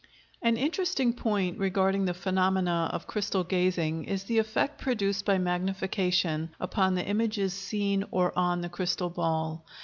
An interesting point regarding the phenomena of crystal gazing is the effect produced by magnification upon the images seen in, or on, the crystal ball.